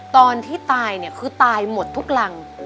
ตอนที่ตายคือตายหมดทุกรัง